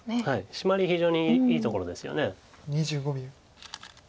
シマリ非常にいいところですよね。